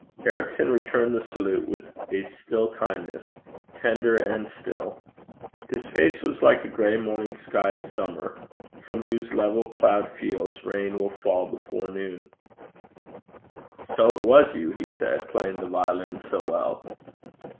Ericson returned the salute with a still kindness tender and still. His face was like a gray morning sky of summer from whose level cloud fields rain will fall before noon. 'So it was you,' he said, 'playing the violin so well?'